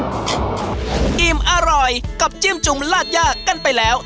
อิ่มอร่อยกับจิ้มจุ่มลาดยากกันไปแล้ว